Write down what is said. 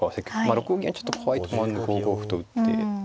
６五銀はちょっと怖いとこもあるんで５五歩と打って。